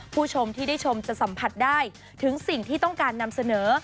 ผู้ชมที่ได้ชมจะสัมผัสได้ถึงสิ่งที่ต้องการนำเสนอ